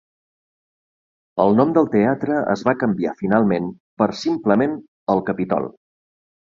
El nom del teatre es va canviar finalment per simplement "el Capitol".